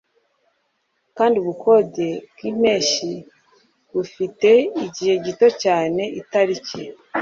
kandi ubukode bwimpeshyi bufite igihe gito cyane itariki